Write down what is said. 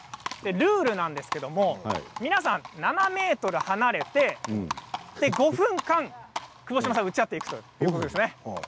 ルールなんですけれど皆さん７ｍ離れて５分間打ち合っていくんですね。